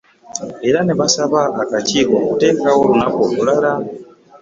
Era ne basaba akakiiko okuteekawo olunaku olulala